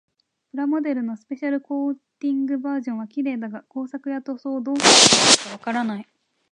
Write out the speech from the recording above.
プラモデルのスペシャルコーティングバージョンは綺麗だが、工作や塗装をどうしたらよいのかわからない。